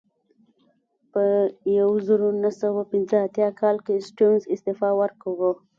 په یوه زرو نهه سوه پنځه اتیا کال کې سټیونز استعفا ورکړه.